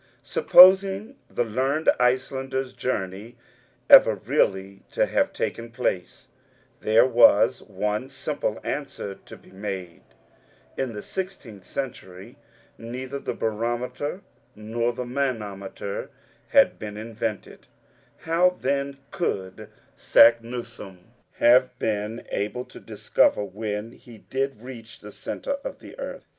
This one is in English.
Supposing the learned Icelander's journey ever really to have taken place there was one simple answer to be made: In the sixteenth century neither the barometer nor the manometer had been invented how, then, could Saknussemm have been able to discover when he did reach the centre of the earth?